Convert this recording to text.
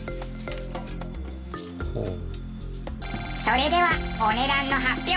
それではお値段の発表。